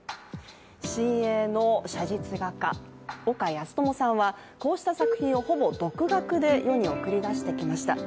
新鋭の写実画家、岡靖知さんはこうした写実画をほぼ独学で世に送り出してきました。